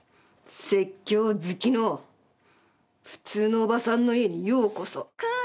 説教好きの普通のおばさんの家にようこそ。